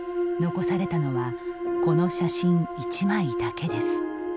残されたのはこの写真１枚だけです。